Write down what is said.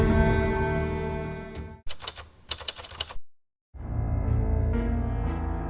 ที่สุดท้าย